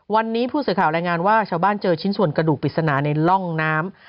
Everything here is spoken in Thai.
วันนี้ผู้สื่อข่าวรายงานว่าชาวบ้านเจอชิ้นส่วนกระดูกปริศนาในร่องน้ำ